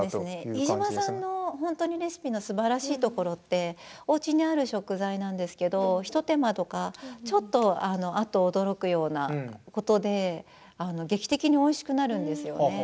飯島さんのレシピのすばらしいところっておうちにある食材なんですけど一手間とかちょっと、あっと驚くようなことで劇的においしくなるんですよね。